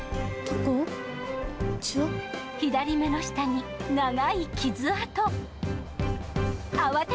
左目の下に長い傷痕。